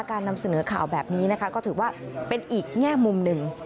การนำเสนอข่าวแบบนี้นะคะก็ถือว่าเป็นอีกแง่มุมหนึ่ง